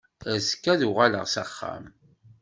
Azekka ad uɣaleɣ s axxam.